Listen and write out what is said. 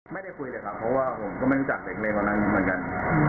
ไม่ได้คุยเลยครับเพราะว่าผมก็ไม่รู้จักเด็กนักเรียนก่อนหน้านี้เหมือนกัน